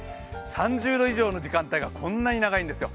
３０度以上の時間帯がこんなに長いんですよ。